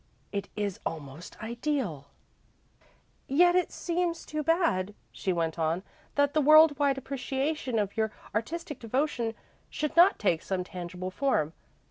It is almost ideal." "Yet it seems too bad," she went on, "that the world wide appreciation of your artistic devotion should not take some tangible form.